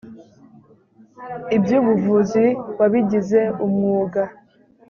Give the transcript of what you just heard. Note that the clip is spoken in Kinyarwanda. iby’ubuvuzi wabigize umwuga